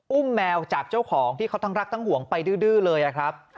แมวจากเจ้าของที่เขาทั้งรักทั้งห่วงไปดื้อเลยครับ